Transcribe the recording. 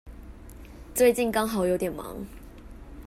最近剛好有點忙